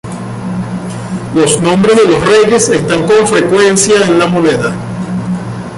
Los nombres de los reyes están con frecuencia en la moneda.